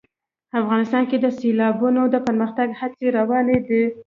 افغانستان کې د سیلابونه د پرمختګ هڅې روانې دي.